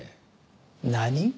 何？